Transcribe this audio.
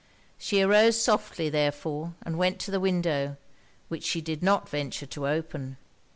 She arose softly, therefore, and went to the window, which she did not venture to open.